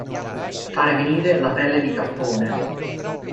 Fare venire la pelle di cappone.